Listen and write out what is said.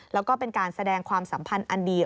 แล้วก็เป็นการแสดงความสัมพันธ์อันดี